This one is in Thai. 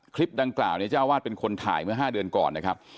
คลิปดังกล่าวเนี่ยเจ้าวาดเป็นคนถ่ายเมื่อ๕เดือนก่อนนะครับ